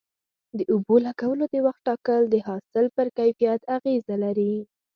د اوبو لګولو د وخت ټاکل د حاصل پر کیفیت اغیزه لري.